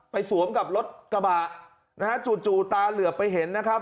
สวมกับรถกระบะนะฮะจู่ตาเหลือไปเห็นนะครับ